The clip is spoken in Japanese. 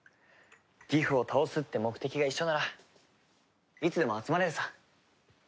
ギフを倒すって目的が一緒ならいつでも集まれるさ。